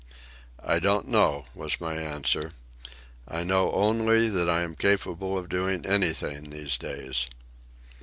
"I don't know," was my answer. "I know only that I am capable of doing anything these days."